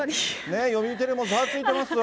読売テレビもざわついてますわ。